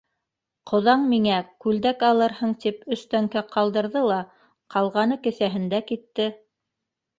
Ҡоҙаң миңә, күлдәк алырһың тип, өс тәңкә ҡалдырҙы ла, ҡалғаны кеҫәһендә китте.